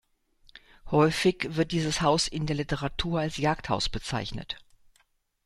Häufig wird dieses Haus in der Literatur als Jagdhaus bezeichnet.